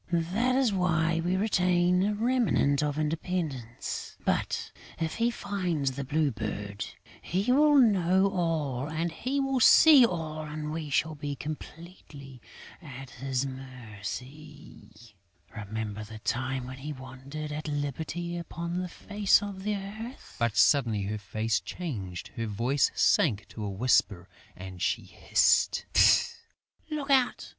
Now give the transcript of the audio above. That is why we retain a remnant of independence; but, if he finds the Blue Bird, he will know all, he will see all and we shall be completely at his mercy.... Remember the time when we wandered at liberty upon the face of the earth!..." But, suddenly her face changed, her voice sank to a whisper and she hissed, "Look out!